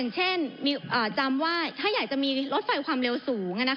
เช่นจำว่าถ้าอยากจะมีรถไฟความเร็วสูง